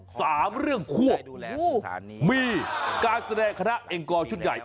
มีการนำเมืองมาช่วยตรงข้างคันศัพท์ขันะเอ็งกอชุดใหญ่